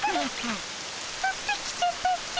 ふってきちゃったっピ。